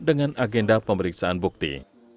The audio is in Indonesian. dengan agenda pemeriksaan bukti